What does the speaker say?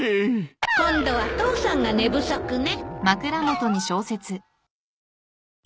今度は父さんが寝不足ね。